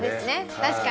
確かに。